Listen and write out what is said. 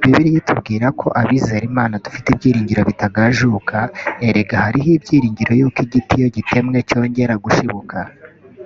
Bibiliya itubwira ko abizera Imana dufite ibyiringiro bitagajuka" erega hariho ibyiringiro yuko igiti iyo gitemwe cyongera gushibuka